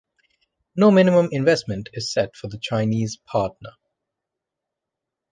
No minimum investment is set for the Chinese partner.